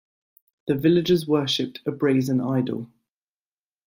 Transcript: The villagers worshipped a brazen idol